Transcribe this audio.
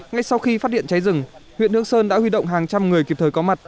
ngay sau khi phát điện cháy rừng huyện hương sơn đã huy động hàng trăm người kịp thời có mặt